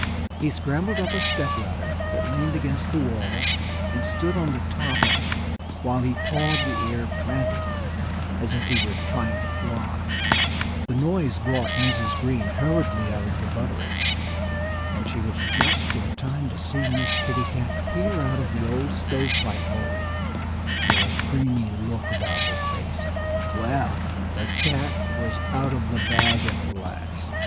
He scrambled up a stepladder that leaned against the wall and stood on the top of it while he pawed the air frantically, as if he were trying to fly. The noise brought Mrs. Green hurriedly out of the buttery. And she was just in time to see Miss Kitty Cat peer out of the old stove pipe hole, with a creamy look about her mouth. Well, the cat was out of the bag at last.